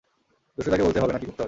দুষ্টুটাকে বলতে হবে না কী করতে হবে।